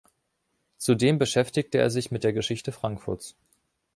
Zudem beschäftigte er sich mit der Geschichte Frankfurts.